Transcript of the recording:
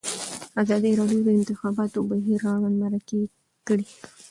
ازادي راډیو د د انتخاباتو بهیر اړوند مرکې کړي.